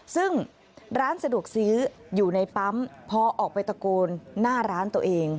ซึ่งร้านสะดวกซื้ออยู่ในปั๊มพอออกไปตะโกนหน้าร้านตัวเอง